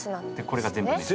これが全部メス。